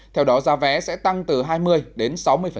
theo đó giá vé sẽ tăng từ hai mươi đến sáu mươi